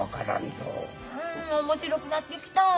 うん面白くなってきた。